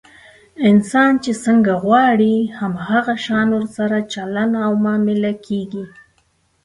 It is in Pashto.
انسان چې څنګه غواړي، هم هغه شان ورسره چلند او معامله کېږي.